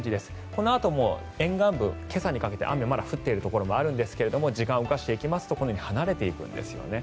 このあとも沿岸部、今朝にかけて雨、まだ降っているところもあるんですが時間を動かしていきますとこのように離れていくんですよね。